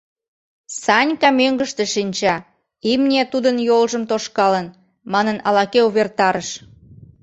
Санька мӧҥгыштӧ шинча, имне тудын йолжым тошкалын, манын ала-кӧ увертарыш.